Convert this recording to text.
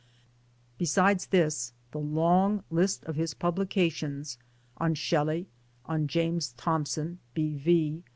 Besides this the long list of his publications on Shelley, on James Thomson (B.V.)